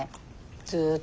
ずっと。